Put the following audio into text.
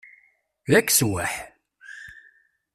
D akeswaḥ!